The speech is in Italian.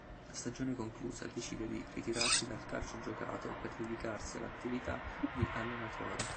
A stagione conclusa decide di ritirarsi dal calcio giocato per dedicarsi all'attività di allenatore.